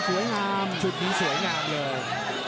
สวยงามชุดนี้สวยงามเลย